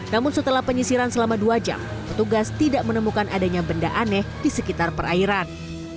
namun setelah penyisiran selama dua jam petugas tidak menemukan adanya benda aneh di sekitar perairan